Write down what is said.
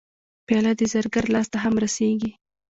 پیاله د زرګر لاس ته هم رسېږي.